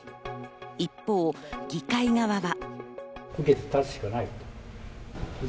一方、議会側は。